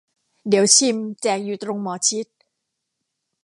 เดี๋ยวชิม แจกอยู่ตรง หมอชิต